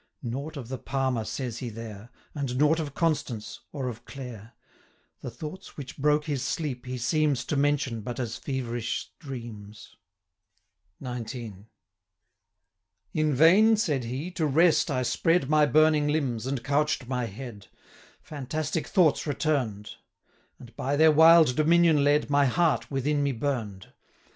Nought of the Palmer says he there, And nought of Constance, or of Clare; 385 The thoughts, which broke his sleep, he seems To mention but as feverish dreams. XIX. 'In vain,' said he, 'to rest I spread My burning limbs, and couch'd my head: Fantastic thoughts return'd; 390 And, by their wild dominion led, My heart within me burn'd.